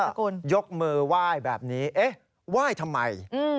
ยกมือไหว้แบบนี้เอ๊ะไหว้ทำไม